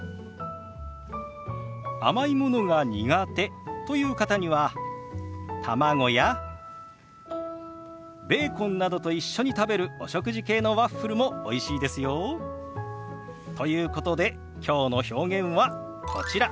甘いものが苦手という方には卵やベーコンなどと一緒に食べるお食事系のワッフルもおいしいですよ。ということできょうの表現はこちら。